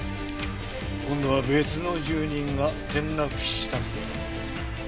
今度は別の住人が転落死したそうだ。